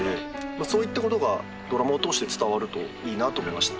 そういったことがドラマを通して伝わるといいなと思いました。